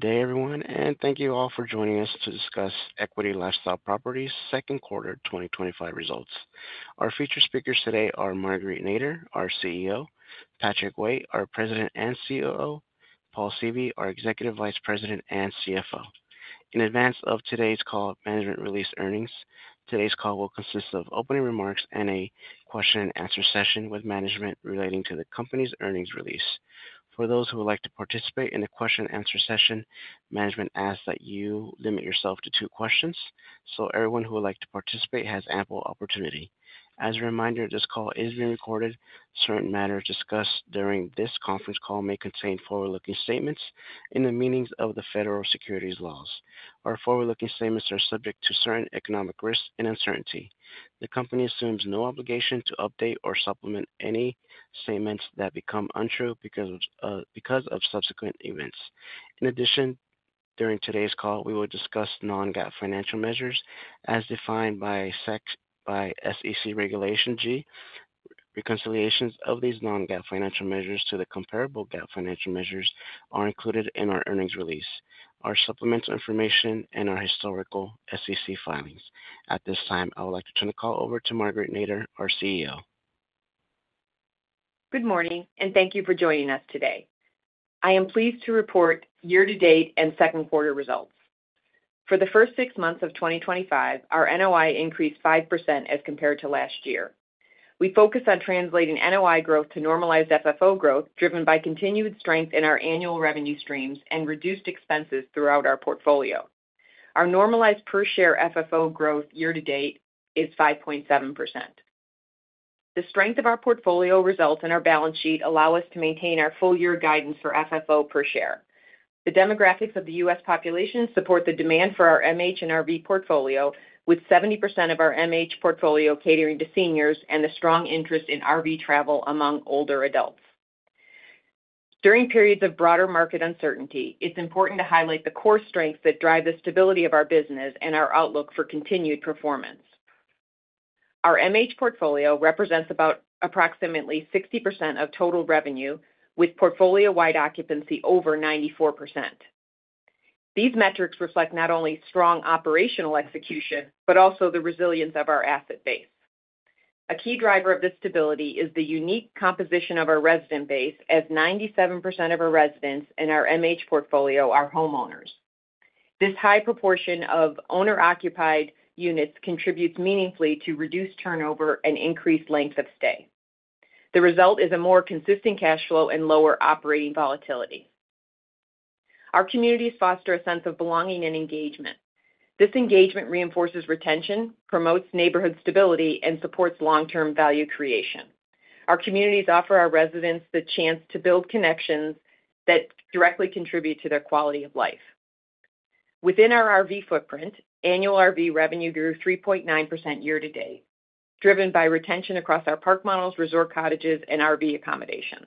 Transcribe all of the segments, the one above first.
Good day, everyone, and thank you all for joining us to discuss Equity LifeStyle Properties' second quarter 2025 results. Our featured speakers today are Marguerite Nader, our CEO, Patrick Waite, our President and COO, and Paul Seavey, our Executive Vice President and CFO. In advance of today's call, management released earnings. Today's call will consist of opening remarks and a question-and-answer session with management relating to the company's earnings release. For those who would like to participate in the question-and-answer session, management asked that you limit yourself to two questions, so everyone who would like to participate has ample opportunity. As a reminder, this call is being recorded. Certain matters discussed during this conference call may contain forward-looking statements in the meanings of the federal securities laws. Our forward-looking statements are subject to certain economic risks and uncertainty. The company assumes no obligation to update or supplement any statements that become untrue because of subsequent events. In addition, during today's call, we will discuss non-GAAP financial measures as defined by SEC Regulation G. Reconciliations of these non-GAAP financial measures to the comparable GAAP financial measures are included in our earnings release, our supplemental information, and our historical SEC filings. At this time, I would like to turn the call over to Marguerite Nader, our CEO. Good morning, and thank you for joining us today. I am pleased to report year-to-date and second quarter results. For the first six months of 2025, our NOI increased 5% as compared to last year. We focused on translating NOI growth to normalized FFO growth driven by continued strength in our annual revenue streams and reduced expenses throughout our portfolio. Our normalized per-share FFO growth year-to-date is 5.7%. The strength of our portfolio results and our balance sheet allow us to maintain our full-year guidance for FFO per share. The demographics of the U.S. population support the demand for our MH and RV portfolio, with 70% of our MH portfolio catering to seniors and the strong interest in RV travel among older adults. During periods of broader market uncertainty, it's important to highlight the core strengths that drive the stability of our business and our outlook for continued performance. Our MH portfolio represents approximately 60% of total revenue, with portfolio-wide occupancy over 94%. These metrics reflect not only strong operational execution but also the resilience of our asset base. A key driver of this stability is the unique composition of our resident base, as 97% of our residents in our MH portfolio are homeowners. This high proportion of owner-occupied units contributes meaningfully to reduced turnover and increased length of stay. The result is a more consistent cash flow and lower operating volatility. Our communities foster a sense of belonging and engagement. This engagement reinforces retention, promotes neighborhood stability, and supports long-term value creation. Our communities offer our residents the chance to build connections that directly contribute to their quality of life. Within our RV footprint, annual RV revenue grew 3.9% year-to-date, driven by retention across our park models, resort cottages, and RV accommodations.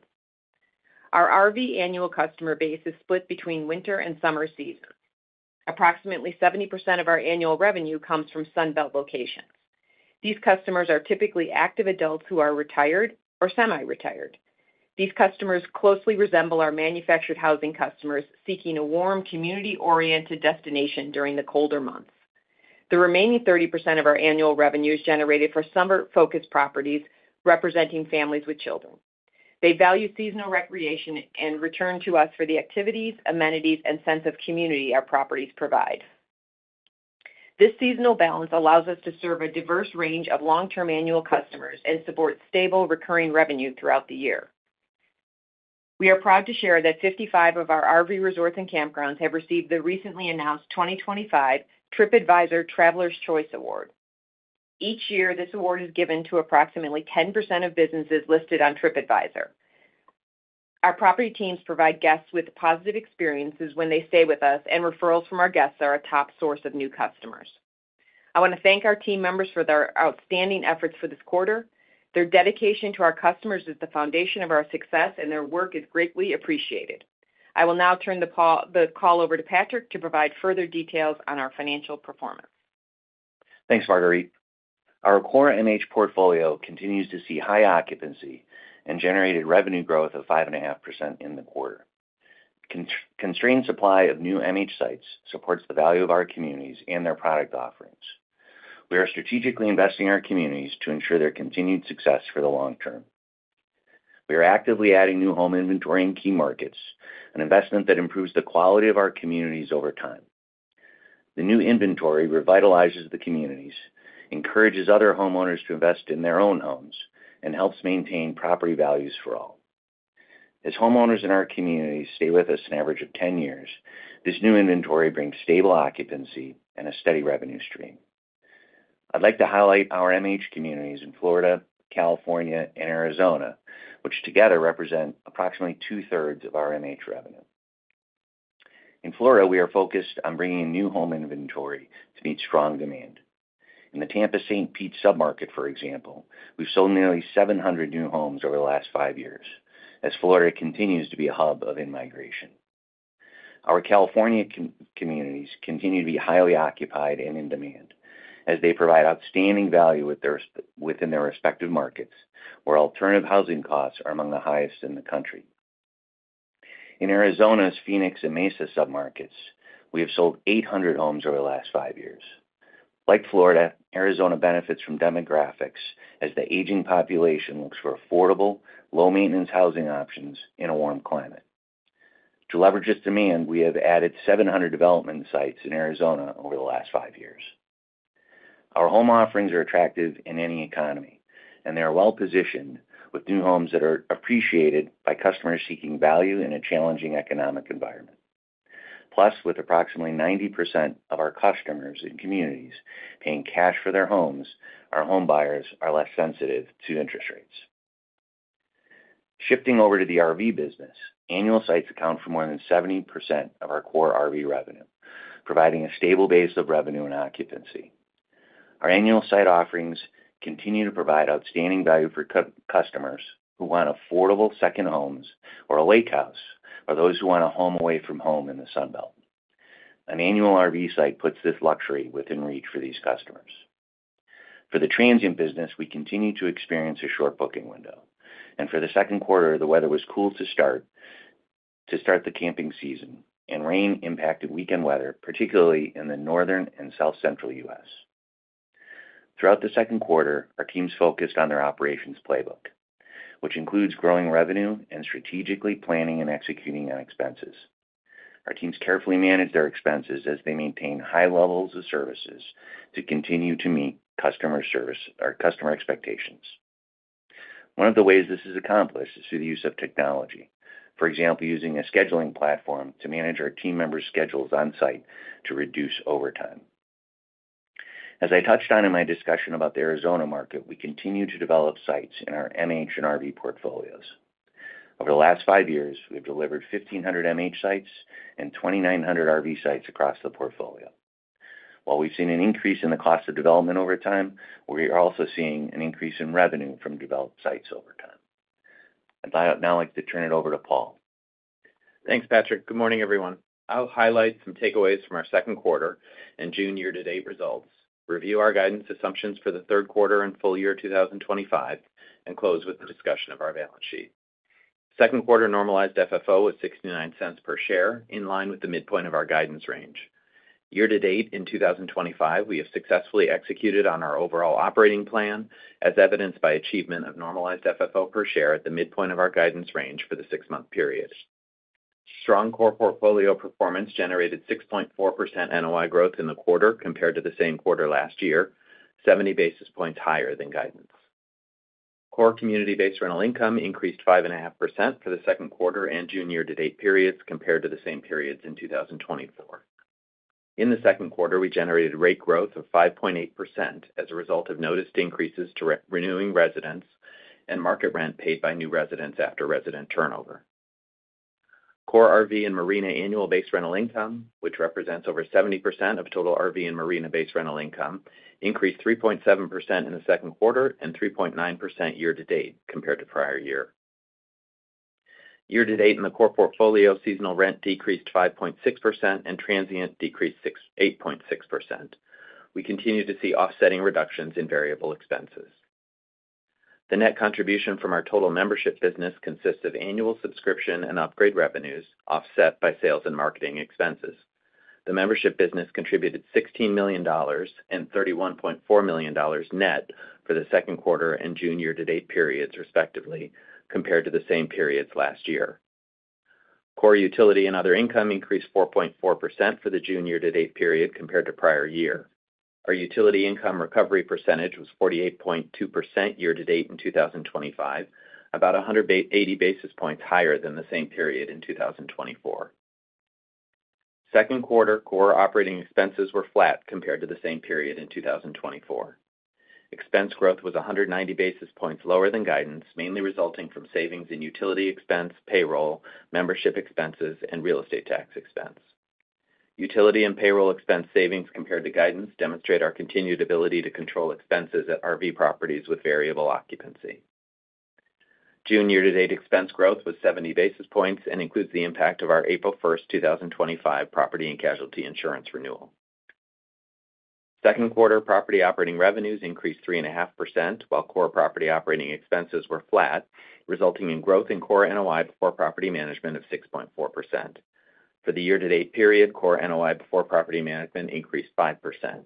Our RV annual customer base is split between winter and summer seasons. Approximately 70% of our annual revenue comes from Sunbelt locations. These customers are typically active adults who are retired or semi-retired. These customers closely resemble our manufactured housing customers seeking a warm, community-oriented destination during the colder months. The remaining 30% of our annual revenue is generated for summer-focused properties representing families with children. They value seasonal recreation and return to us for the activities, amenities, and sense of community our properties provide. This seasonal balance allows us to serve a diverse range of long-term annual customers and support stable, recurring revenue throughout the year. We are proud to share that 55 of our RV resorts and campgrounds have received the recently announced 2025 TripAdvisor Travelers' Choice Award. Each year, this award is given to approximately 10% of businesses listed on TripAdvisor. Our property teams provide guests with positive experiences when they stay with us, and referrals from our guests are a top source of new customers. I want to thank our team members for their outstanding efforts for this quarter. Their dedication to our customers is the foundation of our success, and their work is greatly appreciated. I will now turn the call over to Patrick to provide further details on our financial performance. Thanks, Marguerite. Our core MH portfolio continues to see high occupancy and generated revenue growth of 5.5% in the quarter. Constrained supply of new MH sites supports the value of our communities and their product offerings. We are strategically investing in our communities to ensure their continued success for the long term. We are actively adding new home inventory in key markets, an investment that improves the quality of our communities over time. The new inventory revitalizes the communities, encourages other homeowners to invest in their own homes, and helps maintain property values for all. As homeowners in our communities stay with us an average of 10 years, this new inventory brings stable occupancy and a steady revenue stream. I'd like to highlight our MH communities in Florida, California, and Arizona, which together represent approximately two-thirds of our MH revenue. In Florida, we are focused on bringing new home inventory to meet strong demand. In the Tampa [and St. Petersburg] submarket, for example, we've sold nearly 700 new homes over the last five years, as Florida continues to be a hub of immigration. Our California communities continue to be highly occupied and in demand, as they provide outstanding value within their respective markets, where alternative housing costs are among the highest in the country. In Arizona's Phoenix and Mesa submarkets, we have sold 800 homes over the last five years. Like Florida, Arizona benefits from demographics, as the aging population looks for affordable, low-maintenance housing options in a warm climate. To leverage its demand, we have added 700 development sites in Arizona over the last five years. Our home offerings are attractive in any economy, and they are well-positioned, with new homes that are appreciated by customers seeking value in a challenging economic environment. Plus, with approximately 90% of our customers in communities paying cash for their homes, our home buyers are less sensitive to interest rates. Shifting over to the RV business, annual sites account for more than 70% of our core RV revenue, providing a stable base of revenue and occupancy. Our annual site offerings continue to provide outstanding value for customers who want affordable second homes or a lake house, or those who want a home away from home in the Sunbelt. An annual RV site puts this luxury within reach for these customers. For the transient business, we continue to experience a short booking window, and for the second quarter, the weather was cool to start. The camping season, and rain impacted weekend weather, particularly in the northern and south-central U.S. Throughout the second quarter, our teams focused on their operations playbook, which includes growing revenue and strategically planning and executing on expenses. Our teams carefully manage their expenses as they maintain high levels of services to continue to meet customer expectations. One of the ways this is accomplished is through the use of technology, for example, using a scheduling platform to manage our team members' schedules on-site to reduce overtime. As I touched on in my discussion about the Arizona market, we continue to develop sites in our MH and RV portfolios. Over the last five years, we have delivered 1,500 MH sites and 2,900 RV sites across the portfolio. While we've seen an increase in the cost of development over time, we are also seeing an increase in revenue from developed sites over time. I'd now like to turn it over to Paul. Thanks, Patrick. Good morning, everyone. I'll highlight some takeaways from our second quarter and June year-to-date results, review our guidance assumptions for the third quarter and full year 2025, and close with the discussion of our balance sheet. Second quarter normalized FFO was $0.69 per share, in line with the midpoint of our guidance range. Year-to-date in 2025, we have successfully executed on our overall operating plan, as evidenced by achievement of normalized FFO per share at the midpoint of our guidance range for the six-month period. Strong core portfolio performance generated 6.4% NOI growth in the quarter compared to the same quarter last year, 70 basis points higher than guidance. Core community-based rental income increased 5.5% for the second quarter and June year-to-date periods compared to the same periods in 2024. In the second quarter, we generated rate growth of 5.8% as a result of noticed increases to renewing residents and market rent paid by new residents after resident turnover. Core RV and Marina annual-based rental income, which represents over 70% of total RV and Marina-based rental income, increased 3.7% in the second quarter and 3.9% year-to-date compared to prior year. Year-to-date in the core portfolio, seasonal rent decreased 5.6% and transient decreased 8.6%. We continue to see offsetting reductions in variable expenses. The net contribution from our total membership business consists of annual subscription and upgrade revenues offset by sales and marketing expenses. The membership business contributed $16 million and $31.4 million net for the second quarter and June year-to-date periods, respectively, compared to the same periods last year. Core utility and other income increased 4.4% for the June year-to-date period compared to prior year. Our utility income recovery percentage was 48.2% year-to-date in 2025, about 180 basis points higher than the same period in 2024. Second quarter core operating expenses were flat compared to the same period in 2024. Expense growth was 190 basis points lower than guidance, mainly resulting from savings in utility expense, payroll, membership expenses, and real estate tax expense. Utility and payroll expense savings compared to guidance demonstrate our continued ability to control expenses at RV properties with variable occupancy. June year-to-date expense growth was 70 basis points and includes the impact of our April 1st, 2025, property and casualty insurance renewal. Second quarter property operating revenues increased 3.5%, while core property operating expenses were flat, resulting in growth in core NOI before property management of 6.4%. For the year-to-date period, core NOI before property management increased 5%.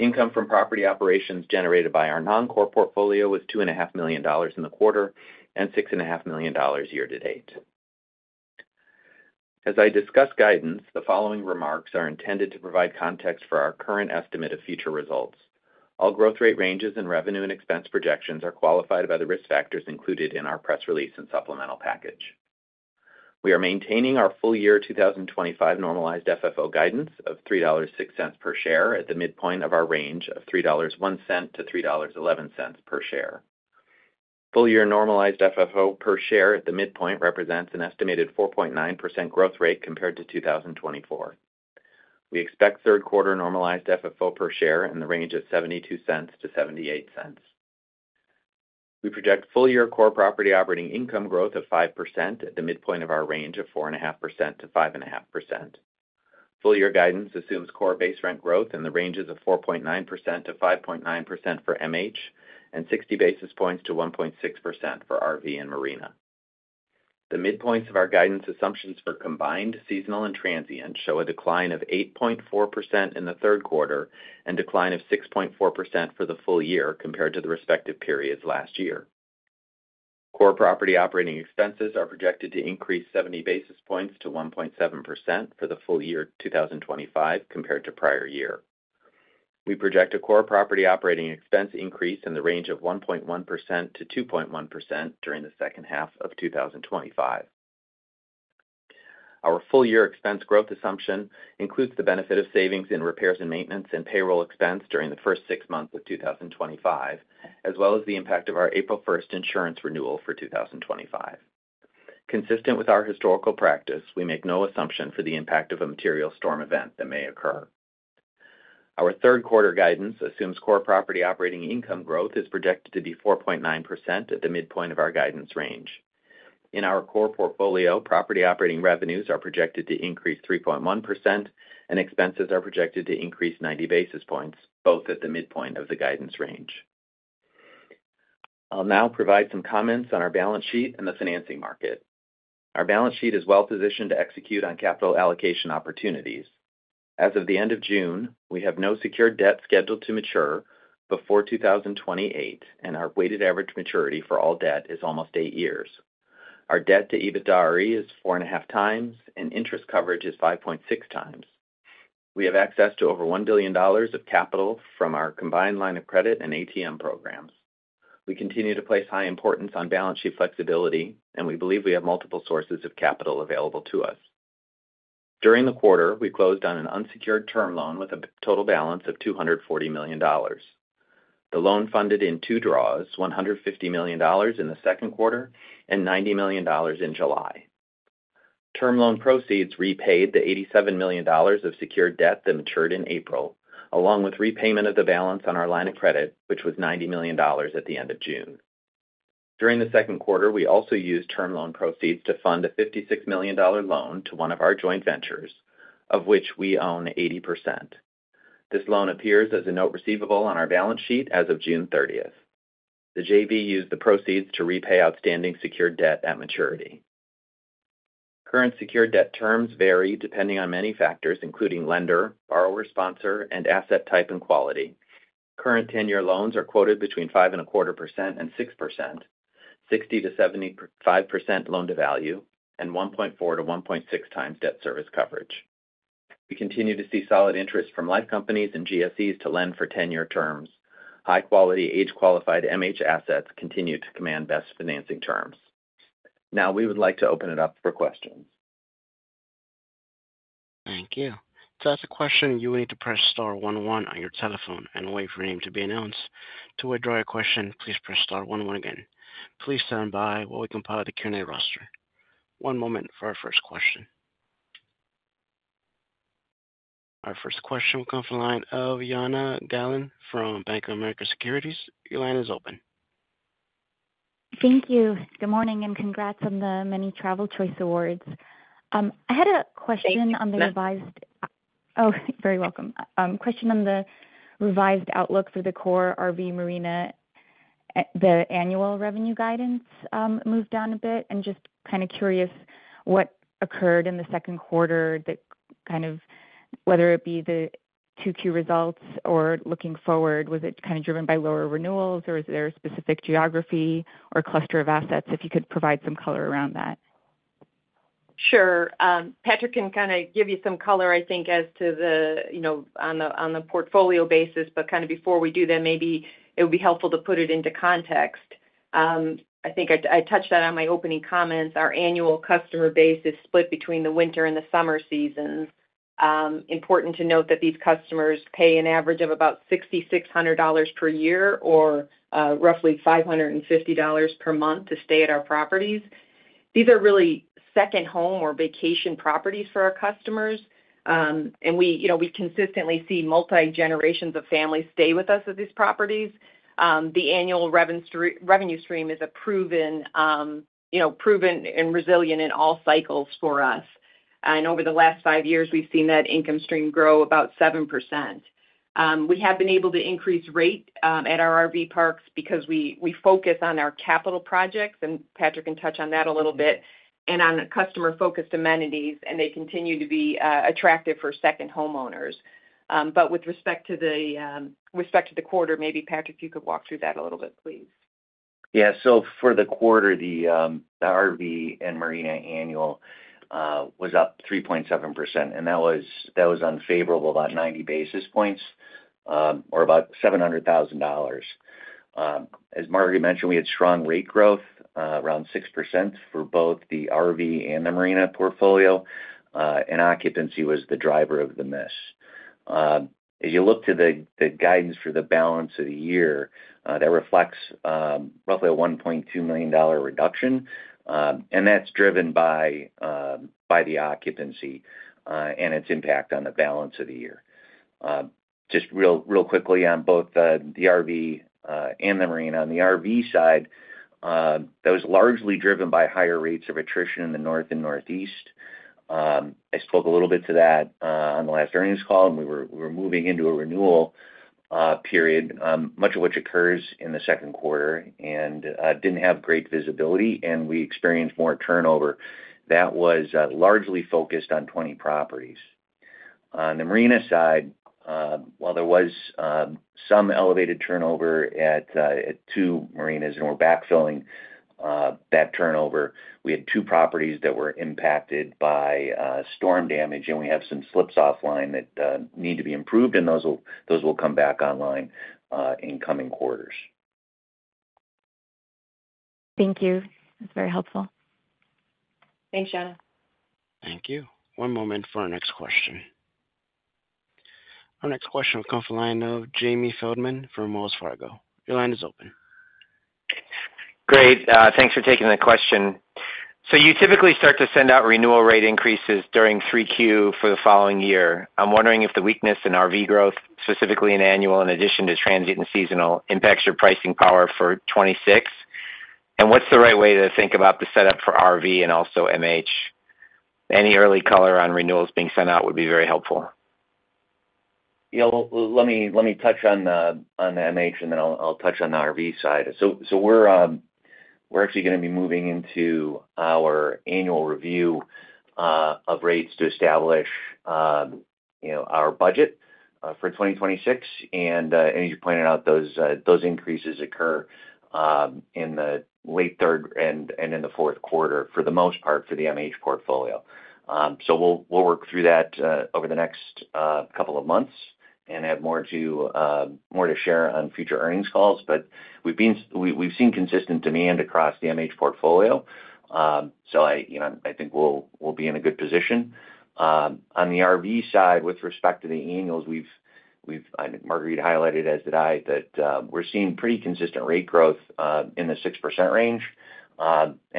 Income from property operations generated by our non-core portfolio was $2.5 million in the quarter and $6.5 million year-to-date. As I discuss guidance, the following remarks are intended to provide context for our current estimate of future results. All growth rate ranges and revenue and expense projections are qualified by the risk factors included in our press release and supplemental package. We are maintaining our full year 2025 normalized FFO guidance of $3.06 per share at the midpoint of our range of $3.01-$3.11 per share. Full year normalized FFO per share at the midpoint represents an estimated 4.9% growth rate compared to 2024. We expect third quarter normalized FFO per share in the range of $0.72-$0.78. We project full year core property operating income growth of 5% at the midpoint of our range of 4.5%-5.5%. Full year guidance assumes core base rent growth in the ranges of 4.9%-5.9% for MH and 60 basis points to 1.6% for RV and Marina. The midpoints of our guidance assumptions for combined seasonal and transient show a decline of 8.4% in the third quarter and a decline of 6.4% for the full year compared to the respective periods last year. Core property operating expenses are projected to increase 70 basis points to 1.7% for the full year 2025 compared to prior year. We project a core property operating expense increase in the range of 1.1%-2.1% during the second half of 2025. Our full year expense growth assumption includes the benefit of savings in repairs and maintenance and payroll expense during the first six months of 2025, as well as the impact of our April 1st insurance renewal for 2025. Consistent with our historical practice, we make no assumption for the impact of a material storm event that may occur. Our third quarter guidance assumes core property operating income growth is projected to be 4.9% at the midpoint of our guidance range. In our core portfolio, property operating revenues are projected to increase 3.1%, and expenses are projected to increase 90 basis points, both at the midpoint of the guidance range. I'll now provide some comments on our balance sheet and the financing market. Our balance sheet is well-positioned to execute on capital allocation opportunities. As of the end of June, we have no secured debt scheduled to mature before 2028, and our weighted average maturity for all debt is almost eight years. Our debt to EBITDA is 4.5x, and interest coverage is 5.6x. We have access to over $1 billion of capital from our combined line of credit and ATM programs. We continue to place high importance on balance sheet flexibility, and we believe we have multiple sources of capital available to us. During the quarter, we closed on an unsecured term loan with a total balance of $240 million. The loan funded in two draws, $150 million in the second quarter and $90 million in July. Term loan proceeds repaid the $87 million of secured debt that matured in April, along with repayment of the balance on our line of credit, which was $90 million at the end of June. During the second quarter, we also used term loan proceeds to fund a $56 million loan to one of our joint ventures, of which we own 80%. This loan appears as a note receivable on our balance sheet as of June 30th. The JV used the proceeds to repay outstanding secured debt at maturity. Current secured debt terms vary depending on many factors, including lender, borrower sponsor, and asset type and quality. Current 10-year loans are quoted between 5.25% and 6%, 60%-75% loan to value, and 1.4x to 1.6x debt service coverage. We continue to see solid interest from life companies and GSEs to lend for 10-year terms. High-quality, age-qualified MH assets continue to command best financing terms. Now, we would like to open it up for questions. Thank you. To ask a question, you will need to press star one one on your telephone and wait for your name to be announced. To withdraw your question, please press star one one again. Please stand by while we compile the Q&A roster. One moment for our first question. Our first question will come from the line of Yana Gallen from Bank of America Securities. Your line is open. Thank you. Good morning and congrats on the many Travelers’ Choice Awards. I had a question on the revised— Thank you. Oh, you're very welcome. Question on the revised outlook for the core RV Marina. The annual revenue guidance moved down a bit, and just kind of curious what occurred in the second quarter, kind of whether it be the 2Q results or looking forward. Was it kind of driven by lower renewals, or is there a specific geography or cluster of assets? If you could provide some color around that. Sure. Patrick can kind of give you some color, I think, as to the—on the portfolio basis. Before we do that, maybe it would be helpful to put it into context. I think I touched that on my opening comments. Our annual customer base is split between the winter and the summer seasons. Important to note that these customers pay an average of about $6,600 per year or roughly $550 per month to stay at our properties. These are really second home or vacation properties for our customers. We consistently see multi-generations of families stay with us at these properties. The annual revenue stream is proven and resilient in all cycles for us. Over the last five years, we've seen that income stream grow about 7%. We have been able to increase rate at our RV parks because we focus on our capital projects, and Patrick can touch on that a little bit, and on customer-focused amenities, and they continue to be attractive for second homeowners. With respect to the quarter, maybe Patrick, you could walk through that a little bit, please. Yeah. For the quarter, the RV and Marina annual was up 3.7%, and that was unfavorable, about 90 basis points, or about $700,000. As Marguerite mentioned, we had strong rate growth, around 6% for both the RV and the Marina portfolio. Occupancy was the driver of the miss. As you look to the guidance for the balance of the year, that reflects roughly a $1.2 million reduction, and that's driven by the occupancy and its impact on the balance of the year. Just real quickly on both the RV and the Marina, on the RV side, that was largely driven by higher rates of attrition in the north and northeast. I spoke a little bit to that on the last earnings call, and we were moving into a renewal period, much of which occurs in the second quarter, and did not have great visibility, and we experienced more turnover. That was largely focused on 20 properties. On the Marinas side, while there was some elevated turnover at two Marinas and we are backfilling that turnover, we had two properties that were impacted by storm damage, and we have some slips offline that need to be improved, and those will come back online in coming quarters. Thank you. That's very helpful. Thanks, Yana. Thank you. One moment for our next question. Our next question will come from the line of Jamie Feldman from Wells Fargo. Your line is open. Great. Thanks for taking the question. You typically start to send out renewal rate increases during 3Q for the following year. I'm wondering if the weakness in RV growth, specifically in annual, in addition to transient and seasonal, impacts your pricing power for 2026. What's the right way to think about the setup for RV and also MH? Any early color on renewals being sent out would be very helpful. Yeah. Let me touch on the MH, and then I'll touch on the RV side. We're actually going to be moving into our annual review of rates to establish our budget for 2026. As you pointed out, those increases occur in the late third and in the fourth quarter, for the most part, for the MH portfolio. We'll work through that over the next couple of months and have more to share on future earnings calls. We've seen consistent demand across the MH portfolio. I think we'll be in a good position. On the RV side, with respect to the annuals, I think Marguerite highlighted, as did I, that we're seeing pretty consistent rate growth in the 6% range.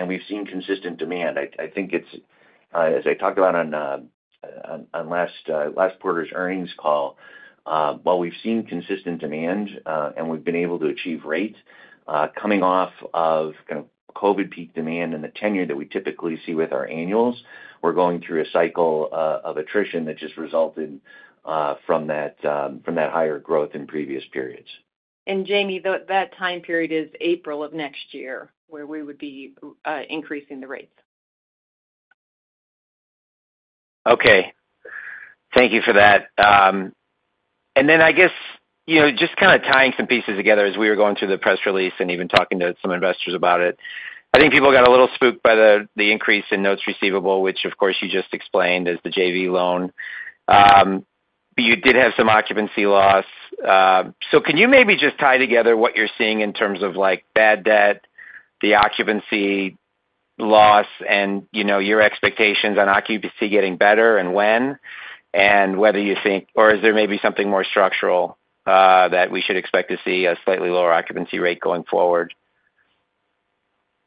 We've seen consistent demand. I think, as I talked about on last quarter's earnings call, while we've seen consistent demand and we've been able to achieve rate, coming off of kind of COVID peak demand and the tenure that we typically see with our annuals, we're going through a cycle of attrition that just resulted from that higher growth in previous periods. Jamie, that time period is April of next year where we would be increasing the rates. Okay. Thank you for that. I guess just kind of tying some pieces together as we were going through the press release and even talking to some investors about it, I think people got a little spooked by the increase in notes receivable, which, of course, you just explained as the JV loan. You did have some occupancy loss. Can you maybe just tie together what you're seeing in terms of bad debt, the occupancy loss, and your expectations on occupancy getting better and when? Whether you think—or is there maybe something more structural that we should expect to see, a slightly lower occupancy rate going forward?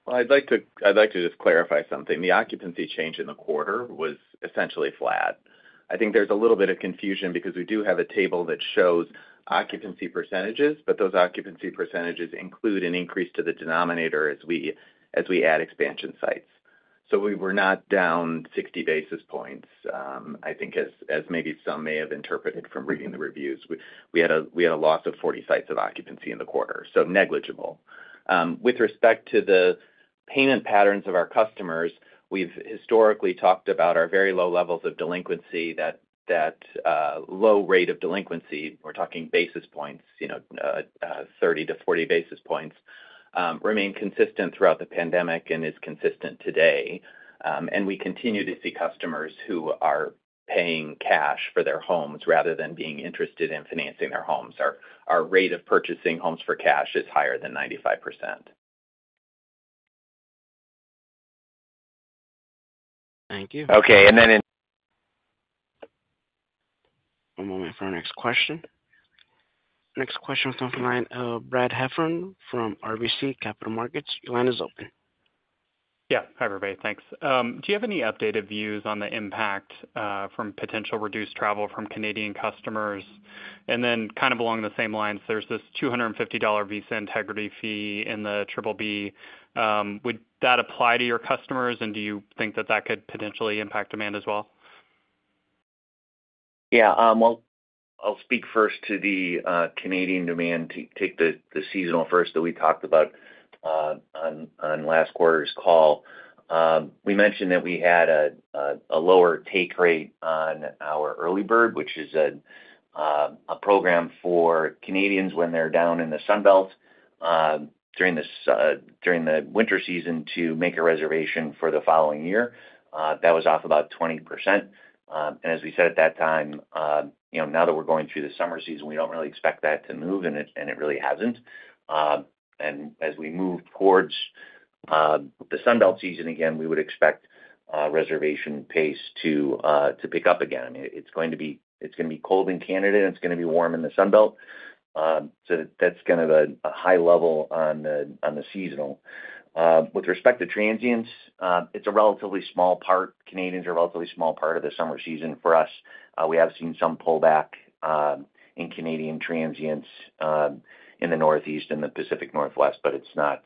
I would like to just clarify something. The occupancy change in the quarter was essentially flat. I think there is a little bit of confusion because we do have a table that shows occupancy percentages, but those occupancy percentages include an increase to the denominator as we add expansion sites. We were not down 60 basis points, I think, as maybe some may have interpreted from reading the reviews. We had a loss of 40 sites of occupancy in the quarter, so negligible. With respect to the payment patterns of our customers, we have historically talked about our very low levels of delinquency, that low rate of delinquency—we are talking basis points. 30-40 basis points remain consistent throughout the pandemic and is consistent today. We continue to see customers who are paying cash for their homes rather than being interested in financing their homes. Our rate of purchasing homes for cash is higher than 95%. Thank you. Okay. And then. One moment for our next question. Next question will come from Brad Heffern from RBC Capital Markets. Your line is open. Yeah. Hi, everybody. Thanks. Do you have any updated views on the impact from potential reduced travel from Canadian customers? And then kind of along the same lines, there's this $250 visa integrity fee in the BBB. Would that apply to your customers, and do you think that that could potentially impact demand as well? Yeah. I'll speak first to the Canadian demand to take the seasonal first that we talked about. On last quarter's call, we mentioned that we had a lower take rate on our early bird, which is a program for Canadians when they're down in the Sunbelt during the winter season to make a reservation for the following year. That was off about 20%. As we said at that time, now that we're going through the summer season, we don't really expect that to move, and it really hasn't. As we move towards the Sunbelt season again, we would expect reservation pace to pick up again. I mean, it's going to be cold in Canada, and it's going to be warm in the Sunbelt. That's kind of a high level on the seasonal. With respect to transients, it's a relatively small part. Canadians are a relatively small part of the summer season for us. We have seen some pullback in Canadian transients in the Northeast and the Pacific Northwest, but it's not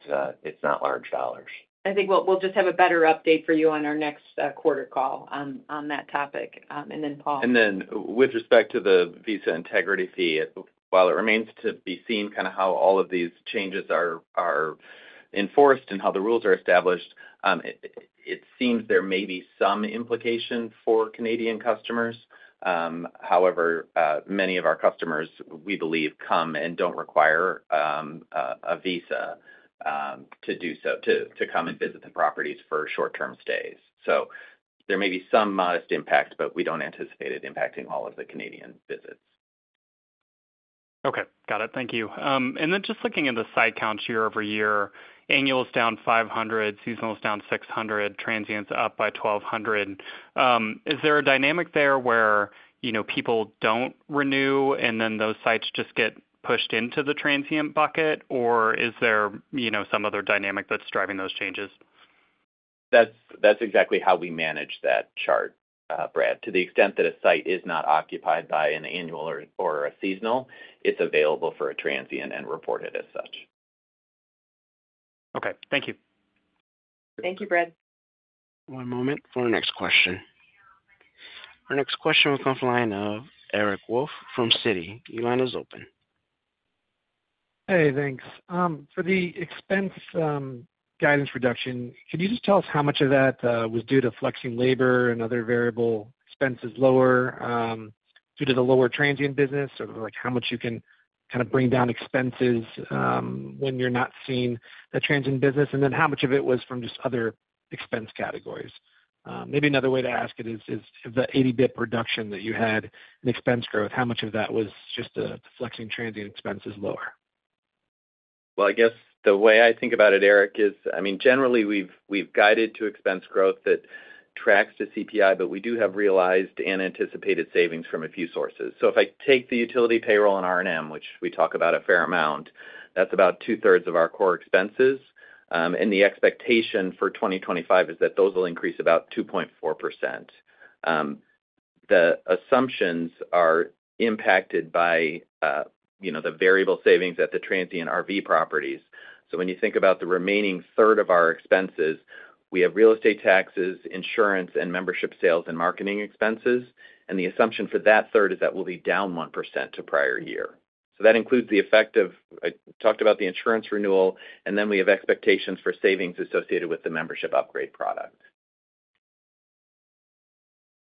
large dollars. I think we'll just have a better update for you on our next quarter call on that topic. And then Paul. With respect to the visa integrity fee, while it remains to be seen how all of these changes are enforced and how the rules are established, it seems there may be some implication for Canadian customers. However, many of our customers, we believe, come and do not require a visa to do so, to come and visit the properties for short-term stays. There may be some modest impact, but we do not anticipate it impacting all of the Canadian visits. Okay. Got it. Thank you. And then just looking at the site counts year over year, annuals down 500, seasonals down 600, transients up by 1,200. Is there a dynamic there where people don't renew and then those sites just get pushed into the transient bucket, or is there some other dynamic that's driving those changes? That's exactly how we manage that chart, Brad. To the extent that a site is not occupied by an annual or a seasonal, it's available for a transient and reported as such. Okay. Thank you. Thank you, Brad. One moment for our next question. Our next question will come from the line of Eric Wolfe from City. Your line is open. Hey, thanks. For the expense guidance reduction, can you just tell us how much of that was due to flexing labor and other variable expenses lower due to the lower transient business, or how much you can kind of bring down expenses when you're not seeing the transient business? And then how much of it was from just other expense categories? Maybe another way to ask it is, of the 80 [bps] reduction that you had in expense growth, how much of that was just the flexing transient expenses lower? I guess the way I think about it, Eric, is, I mean, generally, we've guided to expense growth that tracks to CPI, but we do have realized and anticipated savings from a few sources. If I take the utility payroll and R&M, which we talk about a fair amount, that's about 2/3 of our core expenses. The expectation for 2025 is that those will increase about 2.4%. The assumptions are impacted by the variable savings at the transient RV properties. When you think about the remaining 1/3 of our expenses, we have real estate taxes, insurance, and membership sales and marketing expenses. The assumption for that 1/3 is that we'll be down 1% to prior year. That includes the effect of I talked about the insurance renewal, and then we have expectations for savings associated with the membership upgrade product.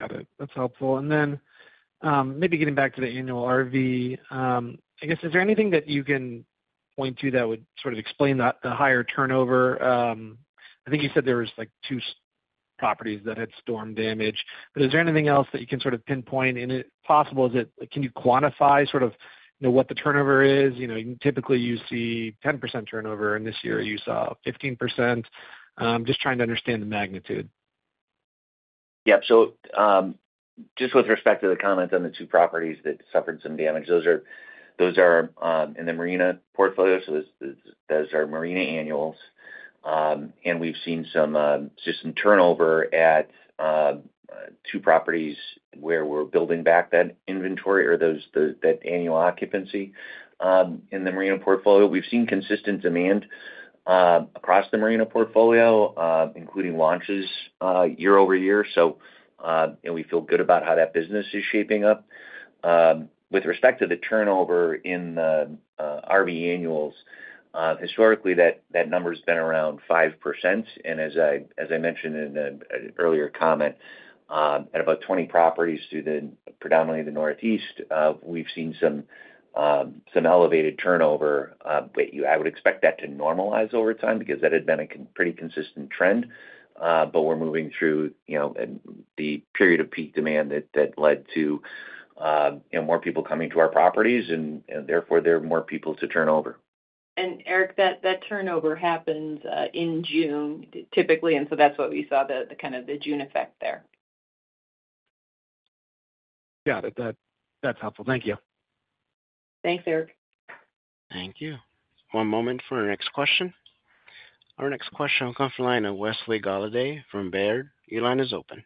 Got it. That's helpful. Maybe getting back to the annual RV, I guess, is there anything that you can point to that would sort of explain the higher turnover? I think you said there were two properties that had storm damage. Is there anything else that you can sort of pinpoint? If possible, can you quantify sort of what the turnover is? Typically, you see 10% turnover, and this year you saw 15%. Just trying to understand the magnitude. Yeah. So. Just with respect to the comments on the two properties that suffered some damage, those are in the Marina portfolio. So those are Marina annuals. And we've seen just some turnover at two properties where we're building back that inventory or that annual occupancy. In the Marina portfolio, we've seen consistent demand across the Marina portfolio, including launches year over year. We feel good about how that business is shaping up. With respect to the turnover in the RV annuals, historically, that number has been around 5%. As I mentioned in an earlier comment, at about 20 properties through predominantly the Northeast, we've seen some elevated turnover. I would expect that to normalize over time because that had been a pretty consistent trend. We're moving through the period of peak demand that led to more people coming to our properties, and therefore, there are more people to turnover. Eric, that turnover happens in June, typically. That is why we saw the kind of the June effect there. Got it. That's helpful. Thank you. Thanks, Eric. Thank you. One moment for our next question. Our next question will come from the line of Wesley Golladay from BAIRD. Your line is open.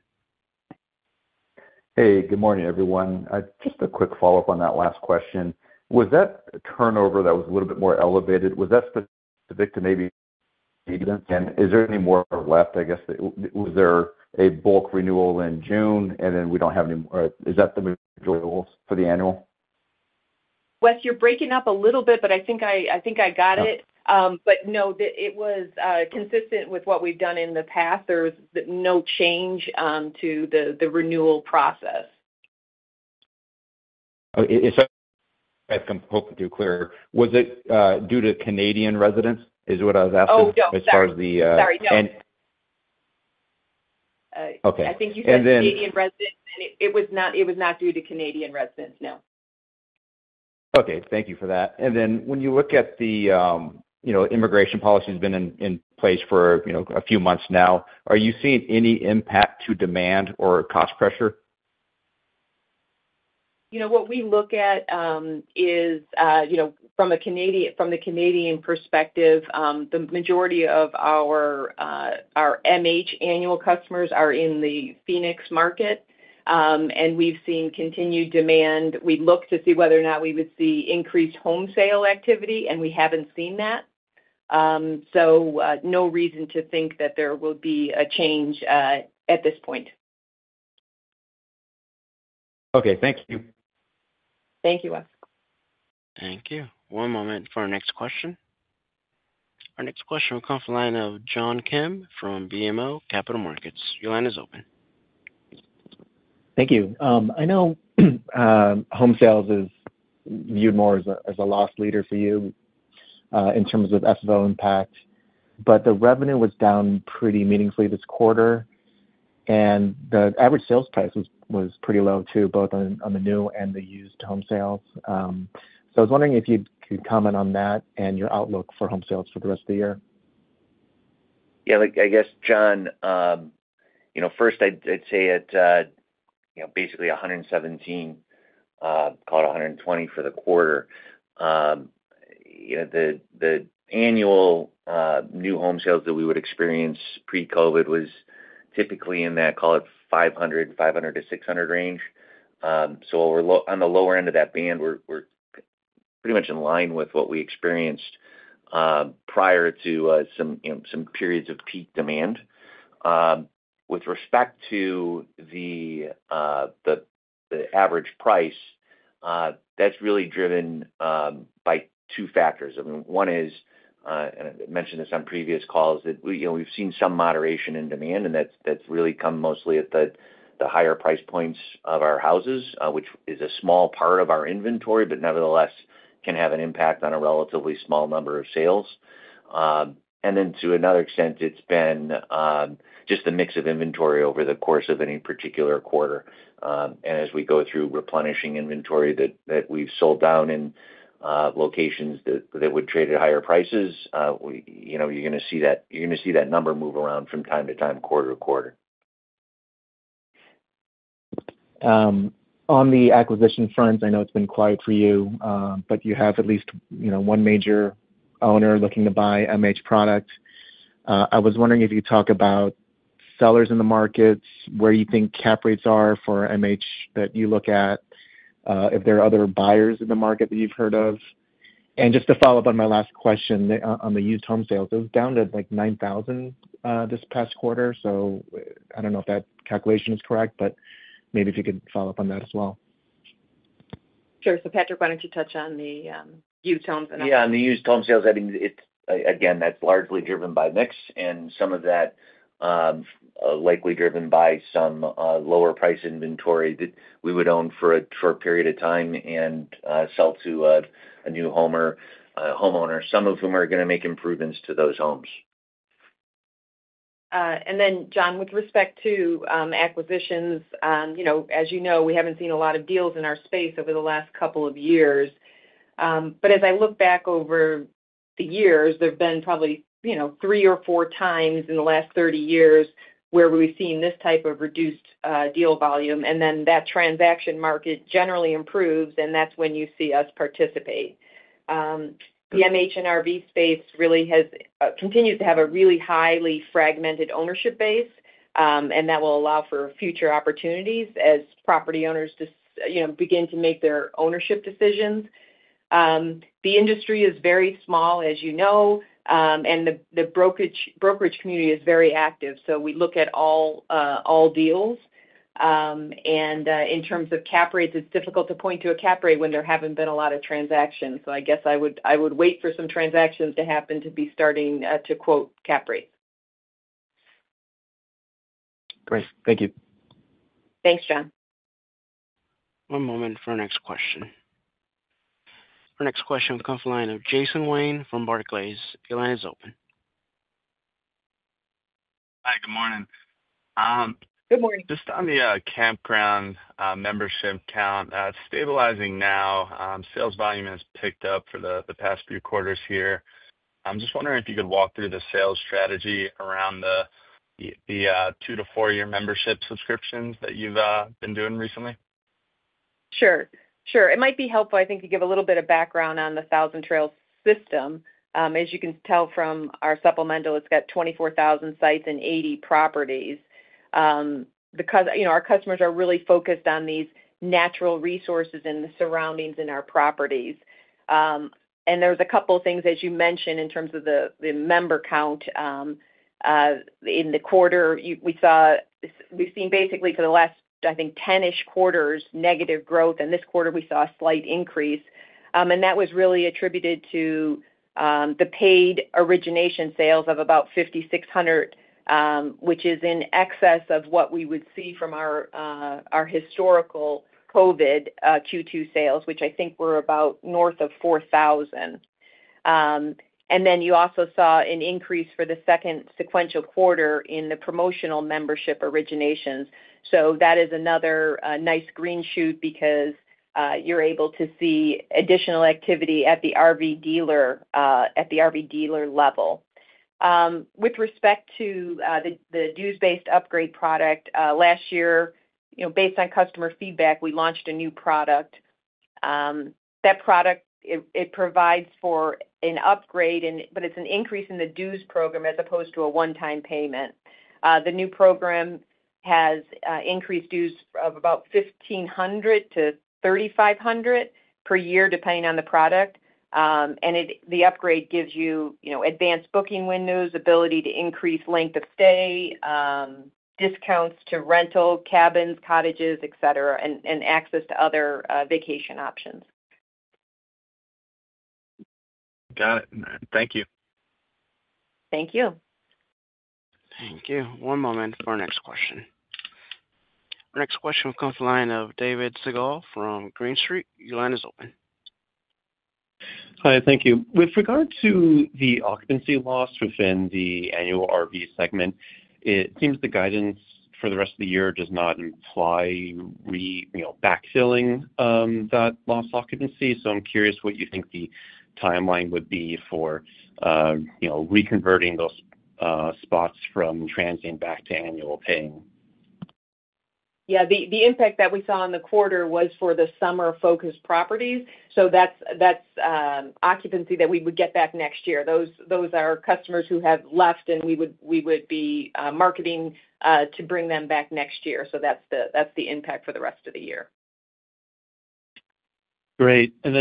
Hey, good morning, everyone. Just a quick follow-up on that last question. Was that turnover that was a little bit more elevated, was that specific to maybe. Is there any more left? I guess, was there a bulk renewal in June, and then we do not have any more? Is that the majority for the annual? Wes, you're breaking up a little bit, but I think I got it. No, it was consistent with what we've done in the past. There was no change to the renewal process. If I'm hoping to be clear, was it due to Canadian residents? Is what I was asking as far as the— Oh, no. Sorry. No. And. Okay. I think you said Canadian residents, and it was not due to Canadian residents, no. Okay. Thank you for that. When you look at the immigration policy that has been in place for a few months now, are you seeing any impact to demand or cost pressure? What we look at is from the Canadian perspective, the majority of our MH annual customers are in the Phoenix market. And we've seen continued demand. We look to see whether or not we would see increased home sale activity, and we haven't seen that. So no reason to think that there will be a change at this point. Okay. Thank you. Thank you, Wes. Thank you. One moment for our next question. Our next question will come from the line of John Kim from BMO Capital Markets. Your line is open. Thank you. I know. Home sales is viewed more as a loss leader for you. In terms of SFO impact. The revenue was down pretty meaningfully this quarter. The average sales price was pretty low too, both on the new and the used home sales. I was wondering if you could comment on that and your outlook for home sales for the rest of the year. Yeah. I guess, John. First, I'd say at basically 117. Call it 120 for the quarter. The annual new home sales that we would experience pre-COVID was typically in that, call it, 500-600 range. So on the lower end of that band, we're pretty much in line with what we experienced prior to some periods of peak demand. With respect to the average price, that's really driven by two factors. I mean, one is, and I mentioned this on previous calls, that we've seen some moderation in demand, and that's really come mostly at the higher price points of our houses, which is a small part of our inventory, but nevertheless can have an impact on a relatively small number of sales. And then to another extent, it's been just a mix of inventory over the course of any particular quarter. And as we go through replenishing inventory that we've sold down in locations that would trade at higher prices, you're going to see that, you're going to see that number move around from time to time, quarter-to-quarter. On the acquisition front, I know it's been quiet for you, but you have at least one major owner looking to buy MH products. I was wondering if you could talk about sellers in the markets, where you think cap rates are for MH that you look at. If there are other buyers in the market that you've heard of. Just to follow up on my last question on the used home sales, it was down to like 9,000 this past quarter. I don't know if that calculation is correct, but maybe if you could follow up on that as well. Sure. So Patrick, why don't you touch on the used homes and. Yeah. On the used home sales, I mean, again, that's largely driven by mix, and some of that. Likely driven by some lower-priced inventory that we would own for a period of time and sell to a new homeowner, some of whom are going to make improvements to those homes. John, with respect to acquisitions, as you know, we haven't seen a lot of deals in our space over the last couple of years. As I look back over the years, there have been probably three or four times in the last 30 years where we've seen this type of reduced deal volume. That transaction market generally improves, and that's when you see us participate. The MH and RV space really continues to have a really highly fragmented ownership base, and that will allow for future opportunities as property owners begin to make their ownership decisions. The industry is very small, as you know, and the brokerage community is very active. We look at all deals. In terms of cap rates, it's difficult to point to a cap rate when there haven't been a lot of transactions. I guess I would wait for some transactions to happen to be starting to quote cap rates. Great. Thank you. Thanks, John. One moment for our next question. Our next question will come from the line of Jason Wayne from Barclays. Your line is open. Hi. Good morning. Good morning. Just on the campground membership count, stabilizing now, sales volume has picked up for the past few quarters here. I'm just wondering if you could walk through the sales strategy around the 2-4 year membership subscriptions that you've been doing recently. Sure. Sure. It might be helpful, I think, to give a little bit of background on the Thousand Trails system. As you can tell from our supplemental, it's got 24,000 sites and 80 properties. Our customers are really focused on these natural resources and the surroundings in our properties. There was a couple of things, as you mentioned, in terms of the member count. In the quarter, we've seen basically for the last, I think, 10-ish quarters negative growth. This quarter, we saw a slight increase. That was really attributed to the paid origination sales of about 5,600, which is in excess of what we would see from our historical COVID Q2 sales, which I think were about north of 4,000. You also saw an increase for the second sequential quarter in the promotional membership originations. That is another nice green shoot because you're able to see additional activity at the RV dealer level. With respect to the dues-based upgrade product, last year, based on customer feedback, we launched a new product. That product, it provides for an upgrade, but it's an increase in the dues program as opposed to a one-time payment. The new program has increased dues of about $1,500-$3,500 per year, depending on the product. The upgrade gives you advanced booking windows, ability to increase length of stay, discounts to rental, cabins, cottages, etc., and access to other vacation options. Got it. Thank you. Thank you. Thank you. One moment for our next question. Our next question will come from the line of David Segall from Green Street. Your line is open. Hi. Thank you. With regard to the occupancy loss within the annual RV segment, it seems the guidance for the rest of the year does not imply backfilling that loss occupancy. I am curious what you think the timeline would be for reconverting those spots from transient back to annual paying. Yeah. The impact that we saw in the quarter was for the summer-focused properties. That is occupancy that we would get back next year. Those are customers who have left, and we would be marketing to bring them back next year. That is the impact for the rest of the year. Great. With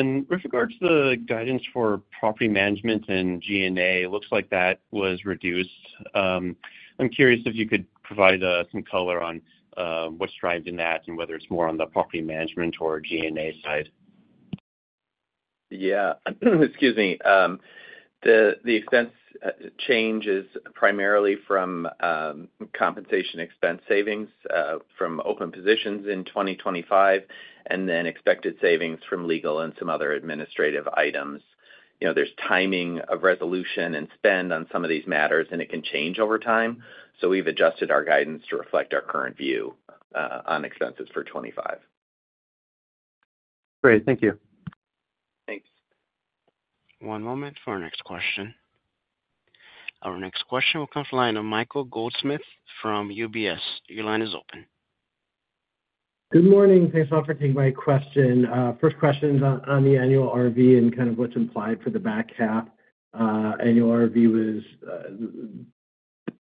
regard to the guidance for property management and G&A, it looks like that was reduced. I'm curious if you could provide some color on what's driving that and whether it's more on the property management or G&A side. Yeah. Excuse me. The expense change is primarily from compensation expense savings from open positions in 2025 and then expected savings from legal and some other administrative items. There is timing of resolution and spend on some of these matters, and it can change over time. We have adjusted our guidance to reflect our current view on expenses for 2025. Great. Thank you. Thanks. One moment for our next question. Our next question will come from the line of Michael Goldsmith from UBS. Your line is open. Good morning. Thanks a lot for taking my question. First question is on the annual RV and kind of what's implied for the back half. Annual RV was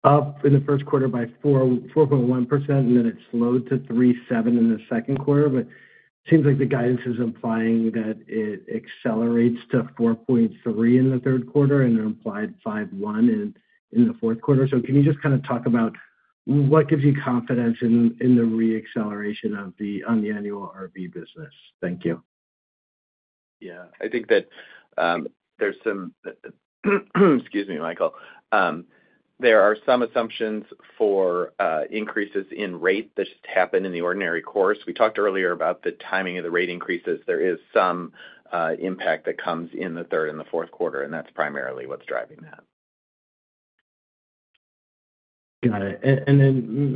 up in the first quarter by 4.1%, and then it slowed to 3.7% in the second quarter. But it seems like the guidance is implying that it accelerates to 4.3% in the third quarter and implied 5.1% in the fourth quarter. So can you just kind of talk about what gives you confidence in the re-acceleration on the annual RV business? Thank you. Yeah. I think that. There is some—excuse me, Michael—there are some assumptions for increases in rate that just happen in the ordinary course. We talked earlier about the timing of the rate increases. There is some impact that comes in the third and the fourth quarter, and that is primarily what is driving that. Got it.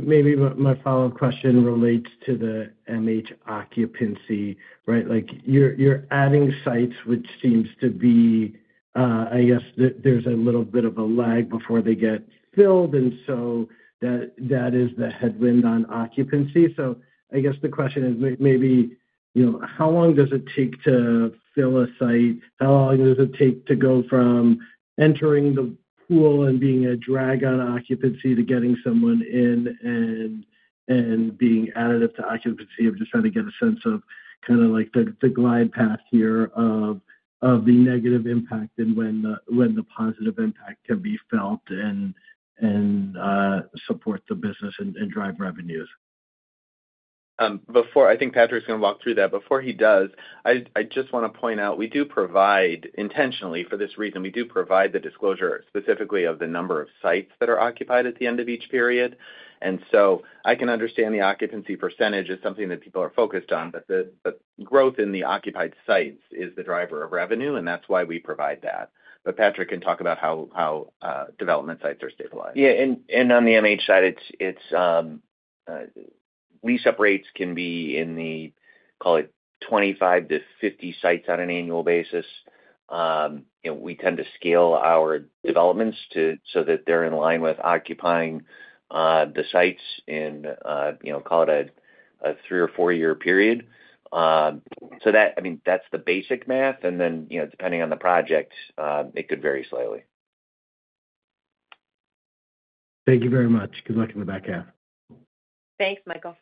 Maybe my follow-up question relates to the MH occupancy, right? You're adding sites, which seems to be, I guess there's a little bit of a lag before they get filled. That is the headwind on occupancy. I guess the question is maybe, how long does it take to fill a site? How long does it take to go from entering the pool and being a drag on occupancy to getting someone in and being additive to occupancy? I'm just trying to get a sense of kind of the glide path here of the negative impact and when the positive impact can be felt and support the business and drive revenues. I think Patrick's going to walk through that. Before he does, I just want to point out we do provide intentionally for this reason, we do provide the disclosure specifically of the number of sites that are occupied at the end of each period. I can understand the occupancy percentage is something that people are focused on, but the growth in the occupied sites is the driver of revenue, and that's why we provide that. Patrick can talk about how development sites are stabilized. Yeah. On the MH side, lease-up rates can be in the, call it, 25-50 sites on an annual basis. We tend to scale our developments so that they're in line with occupying the sites in, call it, a three or four-year period. I mean, that's the basic math. Then depending on the project, it could vary slightly. Thank you very much. Good luck in the back half. Thanks, Michael.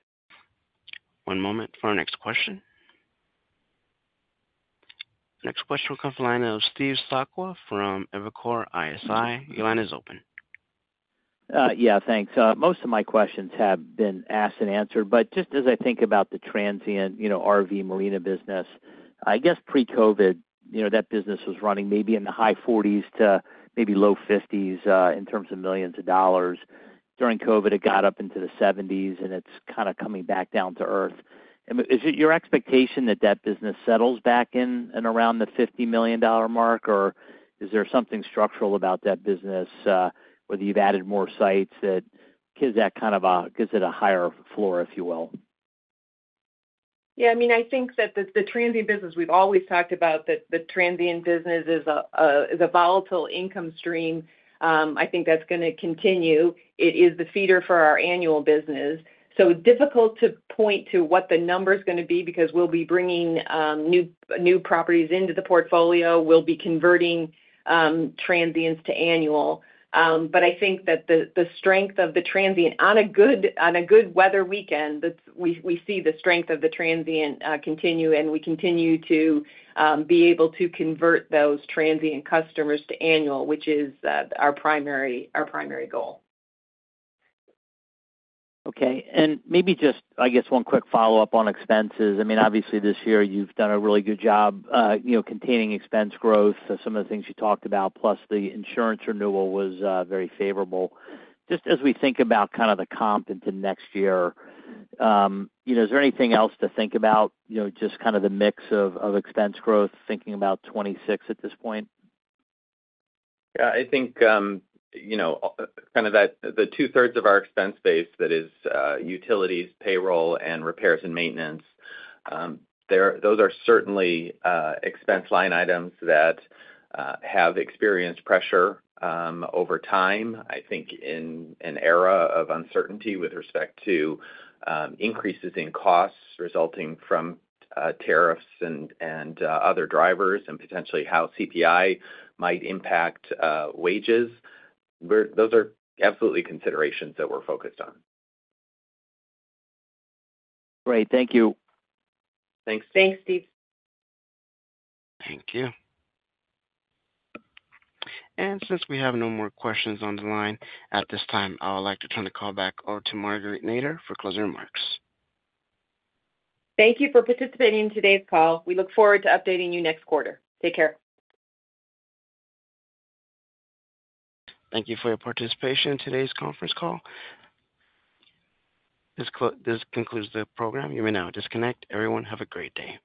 One moment for our next question. Next question will come from the line of Steve Sockwell from Evercore ISI. Your line is open. Yeah. Thanks. Most of my questions have been asked and answered. Just as I think about the transient RV Marina business, I guess pre-COVID, that business was running maybe in the high $40 million to maybe low $50 million range. During COVID, it got up into the $70 million range, and it's kind of coming back down to earth. Is it your expectation that that business settles back in and around the $50 million mark, or is there something structural about that business? Whether you've added more sites that gives that kind of a higher floor, if you will? Yeah. I mean, I think that the transient business, we've always talked about that the transient business is a volatile income stream. I think that's going to continue. It is the feeder for our annual business. It's difficult to point to what the number is going to be because we'll be bringing new properties into the portfolio. We'll be converting transients to annual. I think that the strength of the transient, on a good weather weekend, we see the strength of the transient continue, and we continue to be able to convert those transient customers to annual, which is our primary goal. Okay. Maybe just, I guess, one quick follow-up on expenses. I mean, obviously, this year, you've done a really good job containing expense growth, some of the things you talked about, plus the insurance renewal was very favorable. Just as we think about kind of the comp into next year, is there anything else to think about, just kind of the mix of expense growth, thinking about 2026 at this point? Yeah. I think kind of the 2/3 of our expense base that is utilities, payroll, and repairs and maintenance, those are certainly expense line items that have experienced pressure over time. I think in an era of uncertainty with respect to increases in costs resulting from tariffs and other drivers and potentially how CPI might impact wages, those are absolutely considerations that we're focused on. Great. Thank you. Thanks. Thanks, Steve. Thank you. Since we have no more questions on the line at this time, I would like to turn the call back over to Marguerite Nader for closing remarks. Thank you for participating in today's call. We look forward to updating you next quarter. Take care. Thank you for your participation in today's conference call. This concludes the program. You may now disconnect. Everyone, have a great day.